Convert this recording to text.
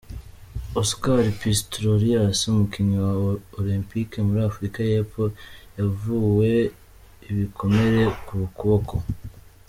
Oscar Pistorius, Umukinnyi wa Olempike muri Afurika y'Epfo, yavuwe ibikomere ku kuboko.